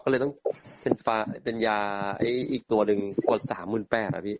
ก็เลยต้องเป็นฟาเป็นชาติไออีกตัวหนึ่งชั่วสามหมื่นแปดอะพี่